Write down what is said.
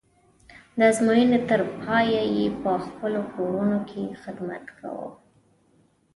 د ازموینې تر پایه یې په خپلو کورونو کې خدمت کوو.